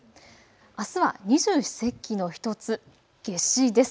あすは二十四節気の１つ、夏至です。